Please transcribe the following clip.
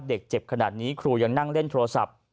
เด็กเจ็บขนาดนี้ครูยังนั่งเล่นโทรศัพท์